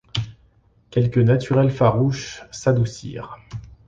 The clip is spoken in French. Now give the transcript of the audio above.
Quelques naturels farouches s’adoucirent.